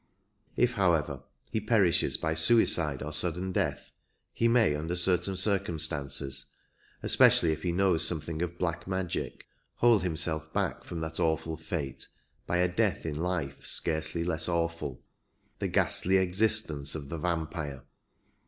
If, however, he perishes by suicide or sudden death, he may under certain circumstances, especially if he knows some thing of black magic, hold himself back from that awful fate by a death in life scarcely less awful — the ghastly existence 43 of the vampire.